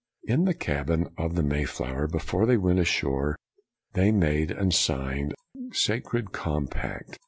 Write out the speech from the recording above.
In the cabin of the Mayflower, before they went ashore, they made and signed a sacred compact.